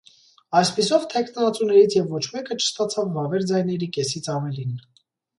Այսպիսով, թեկնածուներից և ոչ մեկը չստացավ վավեր ձայների կեսից ավելին։